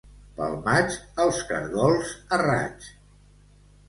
Pel maig, els caragols a raig.